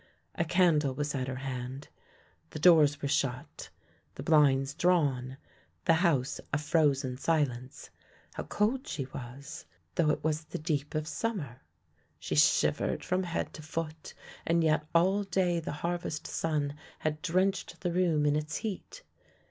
A candle was at her hand, the doors were shut, the blinds drawn, the house a frozen silence — how cold she was, though it was the 40 THE LANE THAT HAD NO TURNING deep of summer! She shivered from head to foot, and yet all day the harvest sun had drenched the room in its heat.